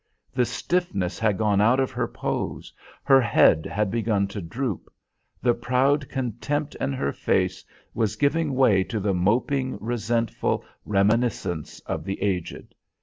The stiffness had gone out of her pose, her head had begun to droop; the proud contempt in her face was giving way to the moping, resentful reminiscence of the aged.